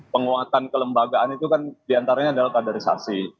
penguatan kelembagaan itu kan diantaranya adalah kaderisasi